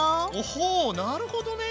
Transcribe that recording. ほうなるほどね！